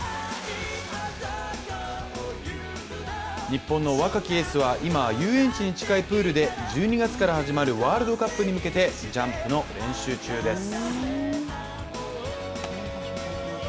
日本の若きエースは、今は遊園地に近いプールで１２月から始まるワールドカップに向けてジャンプの練習中です。